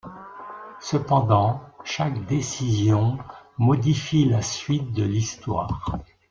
Cependant, chaque décision modifie la suite de l'histoire.